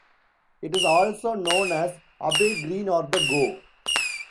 It is also known as Abbey Green or the Gow.